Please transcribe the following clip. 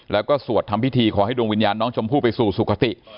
แล้วก็สวดทำพิธีขอให้ดวงวิญญาณน้องชมพู่ไปสู่สุขติ